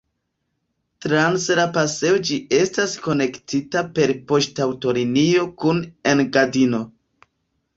Trans la pasejo ĝi estas konektita per poŝtaŭtolinio kun Engadino.